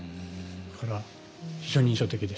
だから非常に印象的でした。